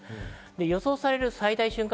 予想される最大瞬間